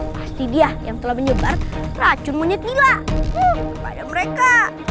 pasti dia yang telah menyebar racun monyet hilang kepada mereka